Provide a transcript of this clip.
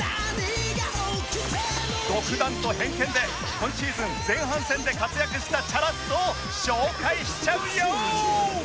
独断と偏見で今シーズン前半戦で活躍したチャラッソを紹介しちゃうよ！